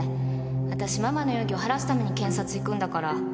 私ママの容疑を晴らすために検察行くんだから。